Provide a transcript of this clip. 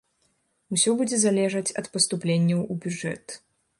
Усё будзе залежаць ад паступленняў у бюджэт.